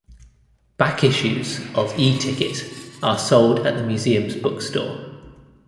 Back issues of "E" Ticket are sold at the Museum's bookstore.